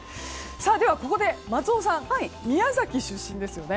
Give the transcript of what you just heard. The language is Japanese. では、ここで松尾さん宮崎出身ですよね。